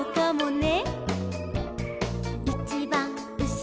「ね！」